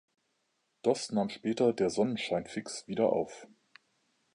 Doss nahm später Der Sonnenschein-Fix wieder auf.